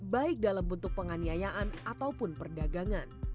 baik dalam bentuk penganiayaan ataupun perdagangan